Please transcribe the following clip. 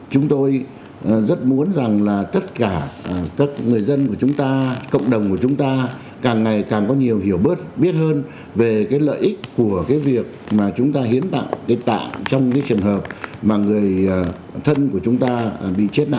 chúng tôi rất muốn rằng là tất cả các người dân của chúng ta cộng đồng của chúng ta càng ngày càng có nhiều hiểu biết hơn về cái lợi ích của cái việc mà chúng ta hiến tạng hiến tạng trong cái trường hợp mà người thân của chúng ta bị chết não